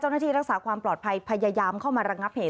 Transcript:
รักษาความปลอดภัยพยายามเข้ามาระงับเหตุ